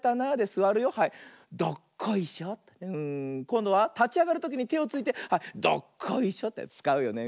こんどはたちあがるときにてをついてはいどっこいしょってつかうよね。